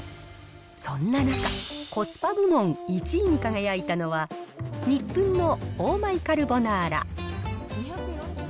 そんな中、コスパ部門１位に輝いたのは、ニップンのオーマイカルボナーラ。